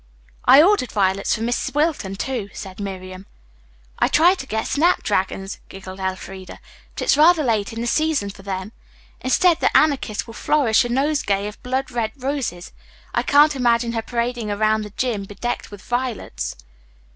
"I ordered violets for Miss Wilton, too," said Miriam. "I tried to get snap dragons," giggled Elfreda, "but it's rather late in the season for them. Instead, the Anarchist will flourish a nosegay of blood red roses. I can't imagine her parading around the gym. bedecked with violets."